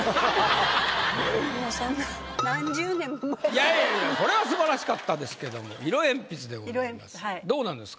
いやいやこれは素晴らしかったですけども色鉛筆でございます。